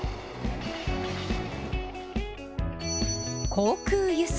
「航空輸送」。